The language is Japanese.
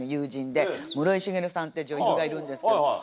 さんっていう女優がいるんですけど。